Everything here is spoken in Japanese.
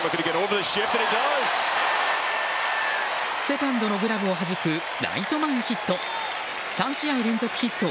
セカンドのグラブをはじくライト前ヒット。